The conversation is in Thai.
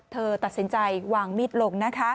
เธอตัดสินใจวางมีดลง